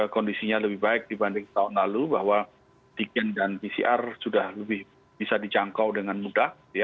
kondisinya lebih baik dibanding tahun lalu bahwa antigen dan pcr sudah lebih bisa dijangkau dengan mudah